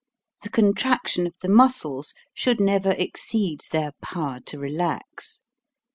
The contraction of the muscles should never ex ceed their power to relax.